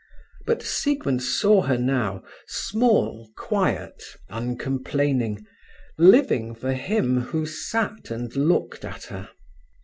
But Siegmund saw her now, small, quiet, uncomplaining, living for him who sat and looked at her.